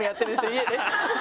家で。